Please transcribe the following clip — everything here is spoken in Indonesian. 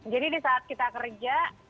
jadi di saat kita kerja